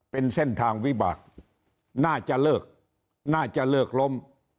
เป็นเส้นทางวิบากน่าจะเลิกน่าจะเลิกล้ม